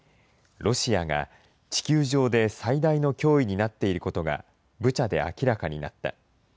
ロシアが、地球上で最大の脅威になっていることが、ブチャで明らかになった。